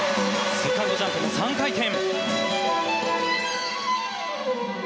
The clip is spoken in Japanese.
セカンドジャンプも３回転。